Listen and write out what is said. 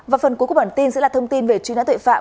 và phần cuối của bản tin sẽ là thông tin về chuyên gia tuệ phạm